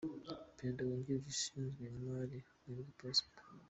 Perezida wungirije ushinzwe imari: Muhirwa Prosper.